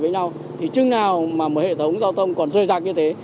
với nhau chứ nào mà một hệ thống giao thông còn rơi rạng như thế